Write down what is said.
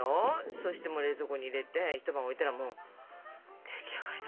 そして冷蔵庫に入れて一晩置いたらもう出来上がりなんだよ。